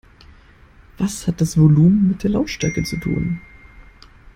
Was hat das Volumen mit der Lautstärke zu tun?